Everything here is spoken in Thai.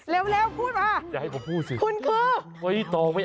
ความลับของแมวความลับของแมวความลับของแมว